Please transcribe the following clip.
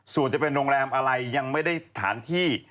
ส่วนจะเป็นโรงแรมอะไรยังไม่ได้สถานที่